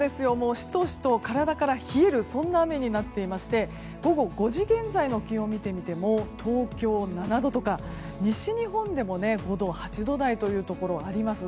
しとしと体から冷えるそんな雨になっていまして午後５時現在の気温を見ても東京７度とか西日本でも５度、８度台というところがあります。